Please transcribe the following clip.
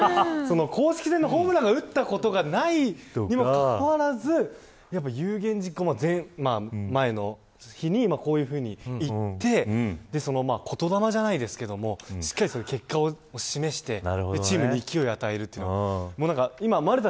公式戦でのホームランを打ったことがないにもかかわらず有言実行前の日にこういうふうに言って言霊じゃないですけどしっかり結果を示してチームに勢いを与える。